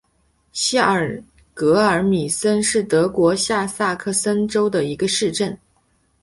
希尔格尔米森是德国下萨克森州的一个市镇。